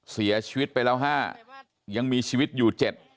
เสียชีวิตไปแล้ว๕ยังมีชีวิตอยู่เจ็ด